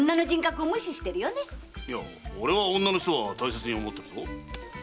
いや俺は女の人を大切に思ってるぞ。